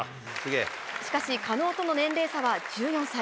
しかし、加納との年齢差は１４歳。